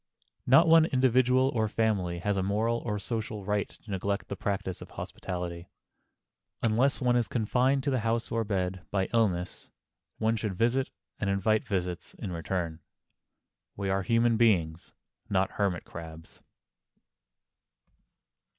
Not one individual or one family has a moral or a social right to neglect the practise of hospitality. Unless one is confined to the house or bed by illness, one should visit and invite visits in return. We are human beings, not hermit crabs.